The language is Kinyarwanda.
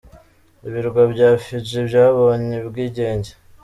Ibirwa bya Fiji byabonye ubwigenge.